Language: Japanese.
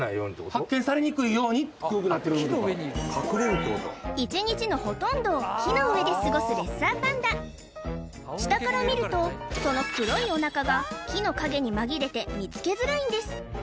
発見されにくいように黒くなってるってことか一日のほとんどを木の上で過ごすレッサーパンダ下から見るとその黒いおなかが木のかげに紛れて見つけづらいんです